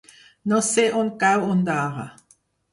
No sé on cau Ondara.